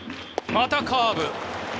またカーブ。